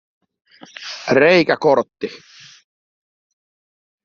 The seat was held by Robert Tobler.